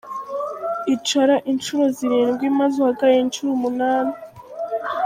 Icara inshuro Zirindwi maze uhagarare inshuro umunani.